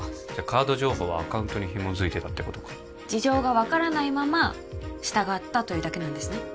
カード情報はアカウントにひも付いてたってことか事情が分からないまま従ったというだけなんですね